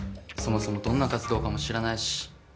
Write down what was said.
そもそもどんな活動かも知らないし。